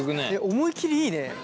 思い切りいいね。